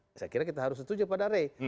saya kira kita harus setuju pada rey